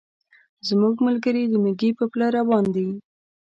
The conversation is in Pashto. زموږ ملګري د مېږي په پله روان دي.